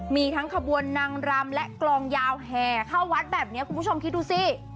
มีทั้งขบวนนางรำและกลองยาวแห่เข้าวัดแบบนี้คุณผู้ชมคิดดูสิ